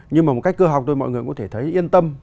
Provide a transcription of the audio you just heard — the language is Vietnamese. nhưng mà một cách cơ học thôi mọi người cũng có thể thấy yên tâm